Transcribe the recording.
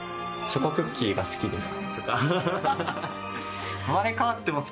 チョコクッキーが好きです。